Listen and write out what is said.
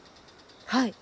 はい！